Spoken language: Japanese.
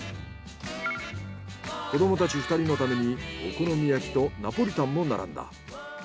子どもたち２人のためにお好み焼きとナポリタンも並んだ。